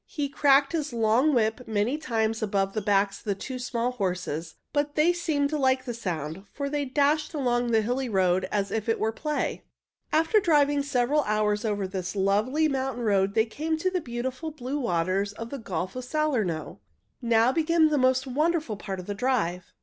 He cracked his long whip many times above the backs of the two small horses, but they seemed to like the sound, for they dashed along over the hilly road as if it were play. After driving several hours over this lovely mountain road they came to the beautiful blue waters of the Gulf of Salerno. Now began the most wonderful part of the drive.